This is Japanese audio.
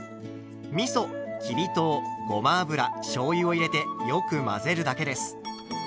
みそきび糖ごま油しょうゆを入れてよく混ぜるだけです。